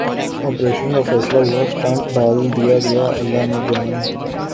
operation کا فیصلہ ہوا سٹنٹ ڈال دیا گیا اللہ نے جان